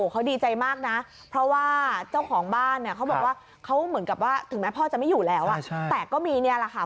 เขาเหมือนกับว่าถึงแม่พ่อจะไม่อยู่แล้วแต่ก็มีนี่แหละค่ะ